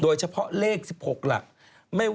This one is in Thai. เฉพาะเลข๑๖หลัก